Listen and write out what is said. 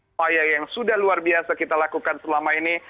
upaya yang sudah luar biasa kita lakukan selama ini